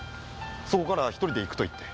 そこからは一人で行くと言って。